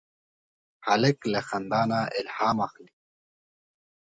هلک له خندا نه الهام اخلي.